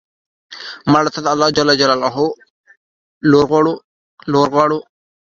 مړه ته د الله ج لور غواړو